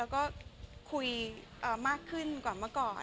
คุยมากขึ้นกว่าเมื่อก่อนค่ะ